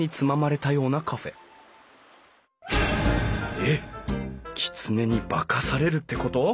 えっきつねに化かされるってこと？